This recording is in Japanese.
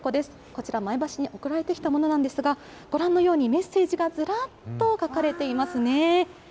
こちら、前橋市に送られてきたものなんですが、ご覧のようにメッセージがずらっと書かれていますね。